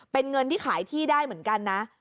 เป็นเงินที่ขายที่ได้เหมือนกันนะ